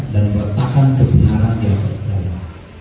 dan meletakkan kebenaran di atas darah